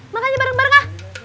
makanya bareng bareng ah